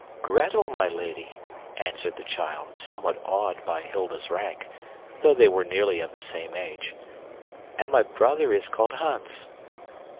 "Gretel, my lady," answered the child, somewhat awed by Hilda's rank, though they were nearly of the same age, "and my brother is called Hans."